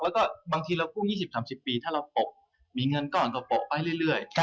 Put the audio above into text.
แล้วก็บางทีเรากู้๒๐๓๐ปีถ้าเราปกมีเงินก้อนก็ปกไปเรื่อย